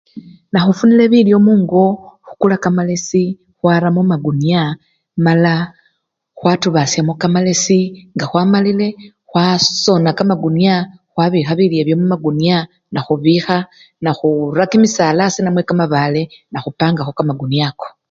Nakhufunile bilyo mungo, khukula kamalesi khwara mumakunya mala khwatubashamo kamalesi nga khwamalile khwasona kamakunya khwabikha bilyo ebyo mumakunya nakhubikha nakhura kimisala asii namew kamabale nekhupangakho kamakunya ako.